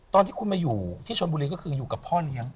ตอนที่คุณมาอยู่ที่ชนบุรีก็คืออยู่กับพ่อเลี้ยง